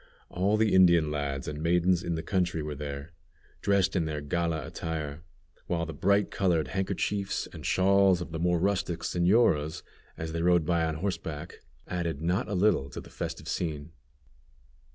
All the Indian lads and maidens in the country were there, dressed in their gala attire, while the bright colored handkerchiefs and shawls of the more rustic señoras, as they rode by on horseback, added not a little to the festive scene.